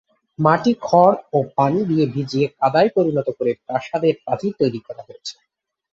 মাটি, খড় ও পানি দিয়ে ভিজিয়ে কাদায় পরিণত করে প্রাসাদের প্রাচীর তৈরি করা হয়েছে।